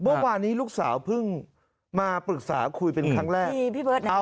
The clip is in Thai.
เมื่อวานนี้ลูกสาวเพิ่งมาปรึกษาคุยเป็นครั้งแรก